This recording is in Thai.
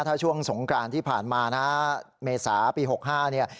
ถ้าช่วงสงกรานที่ผ่านมานะเมษาปี๖๕เนี่ย